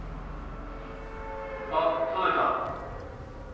あっ届いた。